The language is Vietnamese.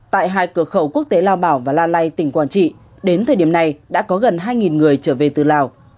tại hai cửa khẩu quốc tế lao bảo và la lai tỉnh quảng trị đến thời điểm này đã có gần hai người trở về từ lào